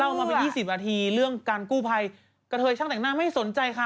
มาเป็น๒๐นาทีเรื่องการกู้ภัยกระเทยช่างแต่งหน้าไม่สนใจค่ะ